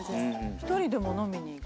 １人でも飲みに行く？